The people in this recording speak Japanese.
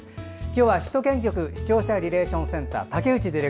今日は、首都圏局視聴者リレーションセンター